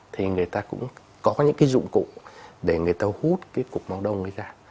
thì người ta cũng có những cái dụng cụ để người ta hút cái cục máu đông ấy ra